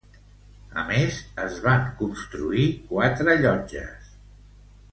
A més, es van construir quatre llotges.